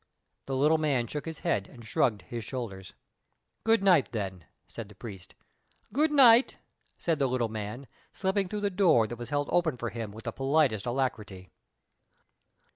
The little man shook his head and shrugged his shoulders. "Good night, then," said the priest. "Good night," said the little man, slipping through the door that was held open for him with the politest alacrity.